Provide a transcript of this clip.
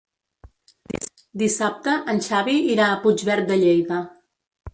Dissabte en Xavi irà a Puigverd de Lleida.